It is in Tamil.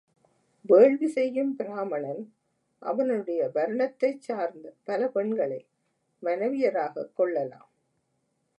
வேள்வி செய்யும் பிராமணன் அவனுடைய வருணத்தைச் சார்ந்த பல பெண்களை மனைவியராகக் கொள்ளலாம்.